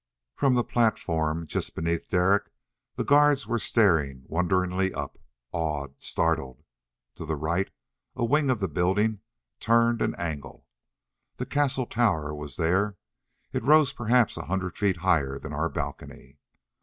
From the platform, just beneath Derek, the guards were staring wonderingly up, awed, startled. To the right a wing of the building turned an angle. The castle tower was there: it rose perhaps a hundred feet higher than our balcony.